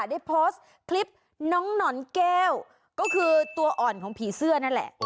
ได้โพสต์คลิปน้องหนอนแก้วก็คือตัวอ่อนของผีเสื้อนั่นแหละ